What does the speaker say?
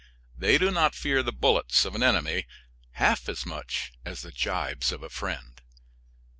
They do not fear the bullets of an enemy half so much as the gibes of a friend.